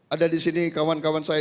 ada disini kawan kawan saya